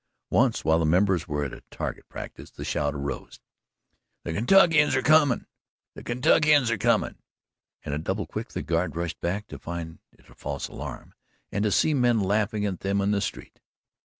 Once while the members were at target practice, the shout arose: "The Kentuckians are coming! The Kentuckians are coming!" And, at double quick, the Guard rushed back to find it a false alarm and to see men laughing at them in the street.